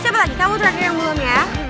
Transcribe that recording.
siapa lagi kamu terakhir yang belum ya